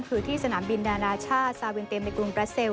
คือที่สนามบินนานาชาติซาเวนเต็มในกรุงบราเซล